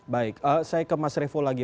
baik saya ke mas revo lagi